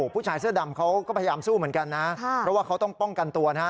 ผู้ชายเสื้อดำเขาก็พยายามสู้เหมือนกันนะเพราะว่าเขาต้องป้องกันตัวนะฮะ